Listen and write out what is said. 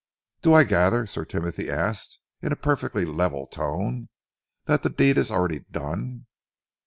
"Do I gather," Sir Timothy asked, in a perfectly level tone, "that the deed is already done?"